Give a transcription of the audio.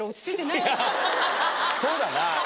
そうだな。